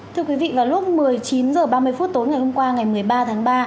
thưa quý vị vào lúc một mươi chín h ba mươi phút tối ngày hôm qua ngày một mươi ba tháng ba